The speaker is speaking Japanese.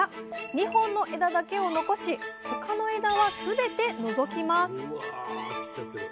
２本の枝だけを残し他の枝はすべて除きます。